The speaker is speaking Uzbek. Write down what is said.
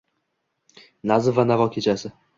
Nazm va navo kechasi